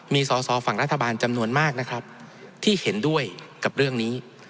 มีสอสอฝั่งรัฐบาลจำนวนมากนะครับที่เห็นด้วยกับเรื่องนี้